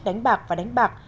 đánh bạc và đánh bạc